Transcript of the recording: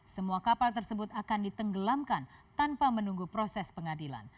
semua kapal tersebut akan ditenggelamkan tanpa menunggu proses pengadilan